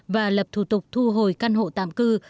và lập thủ tục thu hồi căn hộ tạm cư